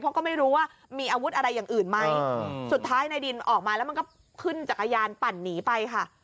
เพราะก็ไม่รู้ว่ามีอาวุธอะไรอย่างอื่นไหมสุดท้ายในดินออกมาแล้วมันก็ขึ้นจักรยานปั่นหนีไปค่ะ